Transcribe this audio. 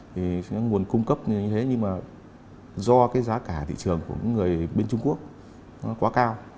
thì nguồn cung cấp như thế nhưng mà do cái giá cả thị trường của những người bên trung quốc nó quá cao